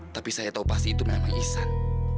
tapi saya tahu pasti itu memang ihsan